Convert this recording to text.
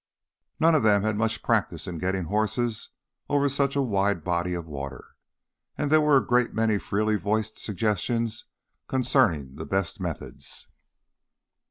None of them had much practice in getting horses over such a wide body of water, and there were a great many freely voiced suggestions concerning the best methods.